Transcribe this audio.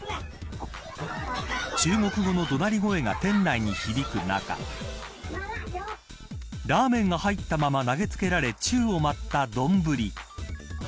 中国語の怒鳴り声が店内に響く中ラーメンが入ったまま投げつけられ宙を舞ったどんぶり。